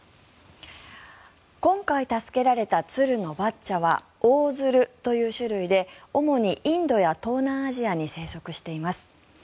今回助けられた鶴のバッチャはオオヅルという種類で主にインドや東南アジアに生息しています。